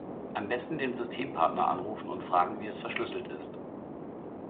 Am Besten den Systempartner anrufen und fragen wie es verschlüsselt ist.